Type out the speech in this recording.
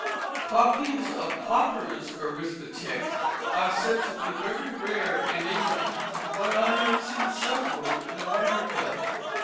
Copies of Cocker's Arithmetick are said to be very rare in England, but I have seen several in America.